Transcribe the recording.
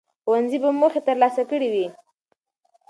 ښوونځي به موخې ترلاسه کړي وي.